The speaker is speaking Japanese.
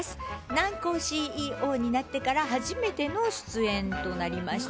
南光ＣＥＯになってから初めての出演となりました。